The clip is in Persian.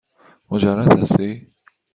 مجرد هستی؟